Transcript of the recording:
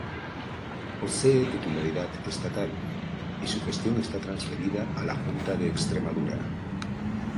Posee titularidad estatal y su gestión está transferida a la Junta de Extremadura.